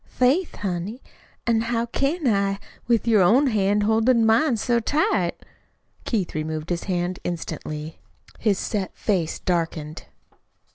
"Faith, honey, an' how can I, with your own hand holdin' mine so tight?" Keith removed his hand instantly. His set face darkened.